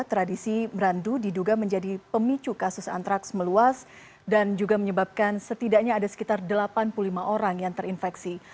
tradisi merandu diduga menjadi pemicu kasus antraks meluas dan juga menyebabkan setidaknya ada sekitar delapan puluh lima orang yang terinfeksi